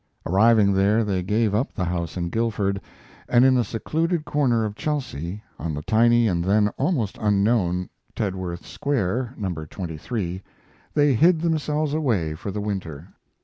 Arriving there, they gave up the house in Guildford, and in a secluded corner of Chelsea, on the tiny and then almost unknown Tedworth Square (No. 23), they hid themselves away for the winter.